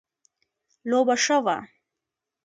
لوبه ښه وه